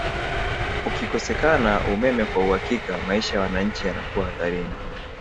Ukikosekana umeme wa uhakika maisha ya wanachi yanakuwa hatarini